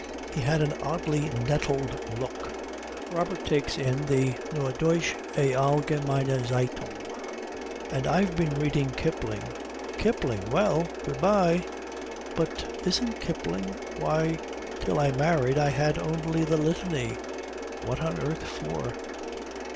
He had an oddly nettled look. "Robert takes in the Norddeutscheallgemeinezeitung, and I've been reading Kipling " "Kipling! Well, good bye." "But isn't Kipling why, till I married I had only the Litany." "What on earth for?"